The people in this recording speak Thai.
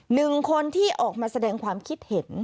หนึ่งคนที่ออกมาแสดงความคิดเห็น